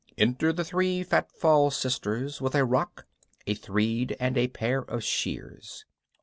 Enter the three fatall sisters, with a rocke, a threed, and a pair of sheeres.